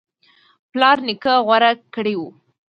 پلار نیکه غوره کړی و